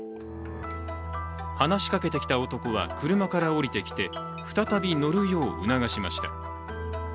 話しかけてきた男は車から降りてきて再び乗るよう促しました。